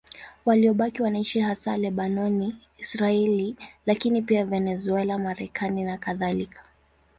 Waliobaki wanaishi hasa Lebanoni, Israeli, lakini pia Venezuela, Marekani nakadhalika.